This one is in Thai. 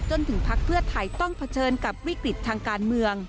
พักเพื่อไทยต้องเผชิญกับวิกฤตทางการเมือง